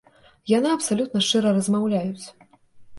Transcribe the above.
Яны абсалютна шчыра размаўляюць.